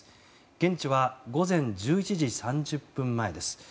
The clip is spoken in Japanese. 現地は午前１１時３０分前です。